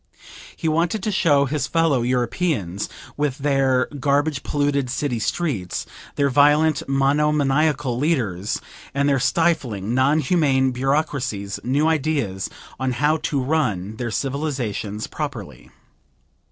He wanted to show his fellow Europeans, with their garbage polluted citystreets, their violent mono maniacal leaders and their stifling, non humane bureaucracies, new ideas on how to run their civilizations properly.